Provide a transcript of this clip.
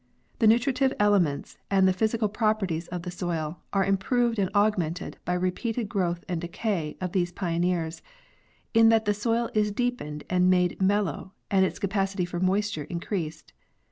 The nutritive elements and the physical properties of the soil are improved and augmented by the repeated growth and decay of these pioneers, in that the soil is deepened and made mellow and its capacity for moisture increased.